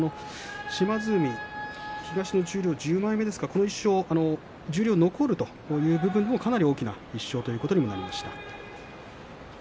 島津海、東の十両１０枚目ですから十両残るという部分もかなり大きな１勝ということになります。